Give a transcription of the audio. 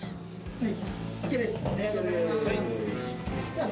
はい。